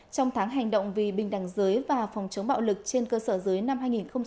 trong tháng hành động vì bình đẳng giới và phòng chống bạo lực trên cơ sở giới năm hai nghìn hai mươi